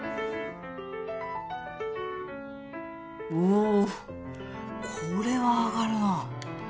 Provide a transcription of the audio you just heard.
おおこれは上がるな。